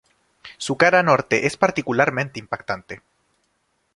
Su cara norte es particularmente impactante.